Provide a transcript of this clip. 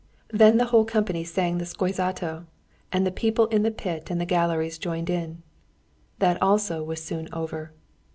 Then the whole company sang the "Szózato," and the people in the pit and the galleries joined in. That also was soon over.